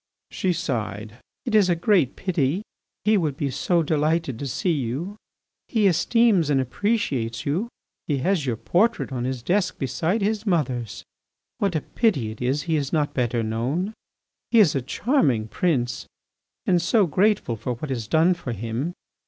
She sighed. "It is a great pity. He would be so delighted to see you! He esteems and appreciates you. He has your portrait on his desk beside his mother's. What a pity it is he is not better known! He is a charming prince and so grateful for what is done for him!